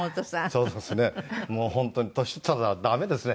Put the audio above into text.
そうですね。